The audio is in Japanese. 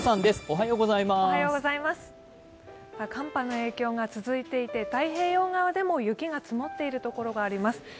寒波の影響が続いていて太平洋側でも雪が積もっている所があります。